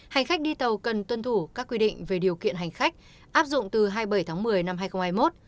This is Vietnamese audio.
hành khách đi tàu cần tuân thủ các quy định về điều kiện hành khách áp dụng từ hai mươi bảy tháng một mươi năm hai nghìn hai mươi một